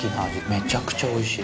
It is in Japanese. めちゃくちゃおいしい。